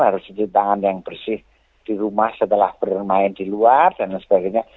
harus cuci tangan yang bersih di rumah setelah bermain di luar dan sebagainya